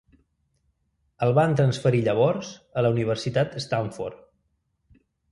El van transferir llavors a la Universitat Stanford.